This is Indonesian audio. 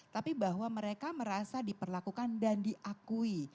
tapi bahwa mereka merasa diperlakukan dan diakui